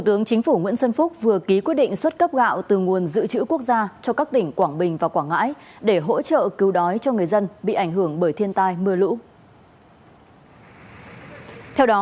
trong đó tỉnh quảng bình được hỗ trợ hai tấn gạo